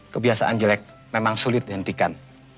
kebiasaan jelek memang sulit dihentikan